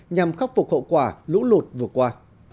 nhằm khắc phục hậu quả lũ lụt vừa qua